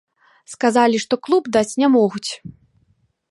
Сказалі, што клуб даць не могуць.